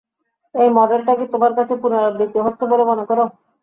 এই মডেলটা কি তোমার কাছে পুনরাবৃত্তি হচ্ছে বলে মনে করো?